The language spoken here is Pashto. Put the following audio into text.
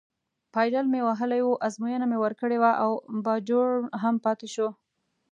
پایډل مې وهلی و، ازموینه مې ورکړې وه او باجوړ هم پاتې شو.